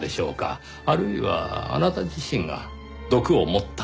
あるいはあなた自身が毒を盛った。